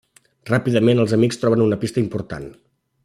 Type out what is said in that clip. Ràpidament els amics troben una pista important.